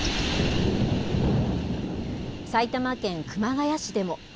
埼玉県熊谷市でも。